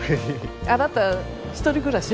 あなた一人暮らし？